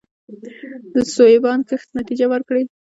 د سویابین کښت نتیجه ورکړې